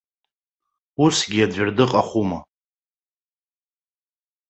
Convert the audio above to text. Усгьы аӡәыр дыҟахума?!